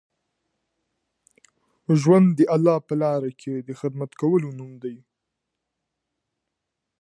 ژوند د الله په لاره کي د خدمت کولو نوم دی.